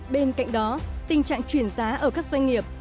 bên cạnh đó tình trạng chuyển giá ở các doanh nghiệp